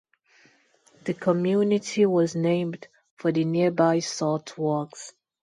The community was named for the nearby salt works.